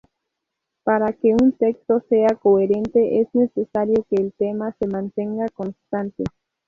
Para que un texto sea coherente es necesario que el tema se mantenga constante.